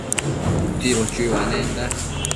Utsibo chuibanenda